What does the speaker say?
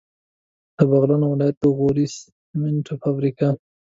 د بغلان ولایت د غوري سیمنټو فابریکه